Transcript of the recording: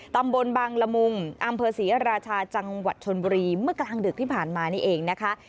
ตำบลบังละมุงอำเภอศรีราชาจังหวัดชนบุรีเมื่อกลางดึกที่ผ่านมานี่เองนะคะ